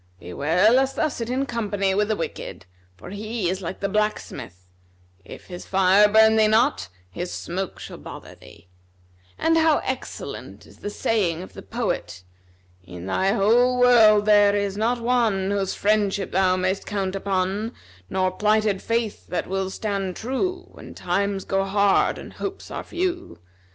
Beware lest thou sit in company with the wicked; for he is like the blacksmith; if his fire burn thee not, his smoke shall bother thee: and how excellent is the saying of the poet,[FN#256] 'In thy whole world there is not one, Whose friendship thou may'st count upon, Nor plighted faith that will stand true, When times go hard, and hopes are few.